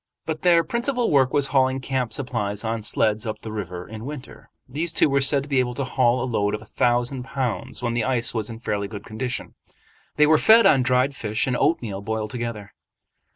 But their principal work was hauling camp supplies on sleds up the river in winter. These two were said to be able to haul a load of a thousand pounds when the ice was in fairly good condition. They were fed on dried fish and oatmeal boiled together.